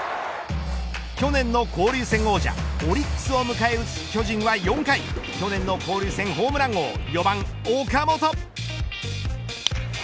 去年の交流戦王者オリックスを迎える巨人は４回去年の交流戦ホームラン王４番、岡本。